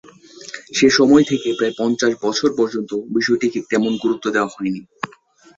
সে সময় থেকে প্রায় পঞ্চাশ বছর পর্যন্ত বিষয়টিকে তেমন গুরুত্ব দেওয়া হয় নি।